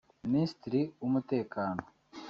Minisitiri w’umutekano